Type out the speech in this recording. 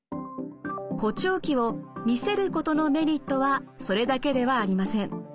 補聴器を見せることのメリットはそれだけではありません。